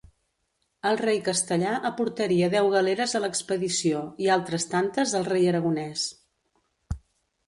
El rei castellà aportaria deu galeres a l'expedició i altres tantes el rei aragonès.